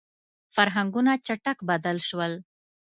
• فرهنګونه چټک بدل شول.